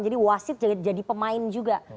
jadi wasit jadi pemain juga